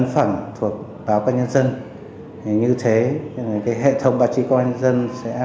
nhân phẩm thuộc báo công an nhà dân như thế hệ thống báo chí công an nhà dân